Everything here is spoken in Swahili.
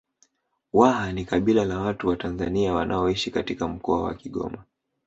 Waha ni kabila la watu wa Tanzania wanaoishi katika Mkoa wa Kigoma